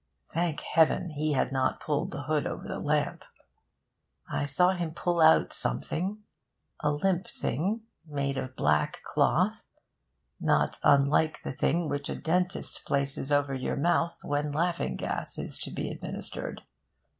(Thank Heaven he had not pulled the hood over the lamp!) I saw him pull out something a limp thing, made of black cloth, not unlike the thing which a dentist places over your mouth when laughing gas is to be administered.